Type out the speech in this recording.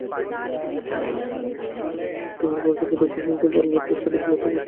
একটি গোল করেছেন Getafe defender Alberto Lopo, তবে সেটা ছিল আত্মঘাতী।